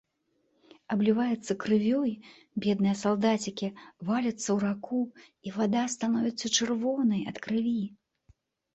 Абліваюцца крывёй бедныя салдацікі, валяцца ў раку, і вада становіцца чырвонай ад крыві.